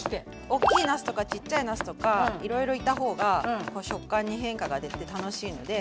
大きいなすとかちっちゃいなすとかいろいろいた方が食感に変化が出て楽しいので。